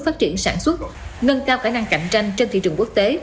phát triển sản xuất nâng cao khả năng cạnh tranh trên thị trường quốc tế